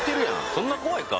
そんな怖いか？